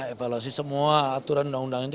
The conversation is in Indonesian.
evaluasi semua aturan undang undang itu